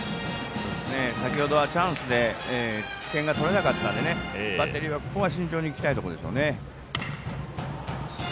先ほどはチャンスで点が取れなかったのでバッテリーは、ここは慎重にいきたいところでしょうね。